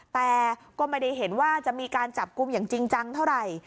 แต่ก็ไม่ได้เห็นว่าจะมีการจับกลุ่มอย่างจริงจังเท่าไหร่